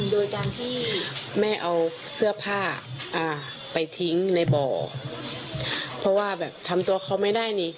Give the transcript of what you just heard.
โดยการที่แม่เอาเสื้อผ้าไปทิ้งในบ่อเพราะว่าแบบทำตัวเขาไม่ได้นี่